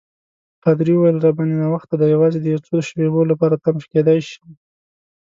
پادري وویل: راباندي ناوخته دی، یوازې د یو څو شېبو لپاره تم کېدای شم.